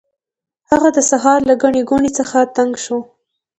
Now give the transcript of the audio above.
هغه د ښار له ګڼې ګوڼې څخه تنګ شو.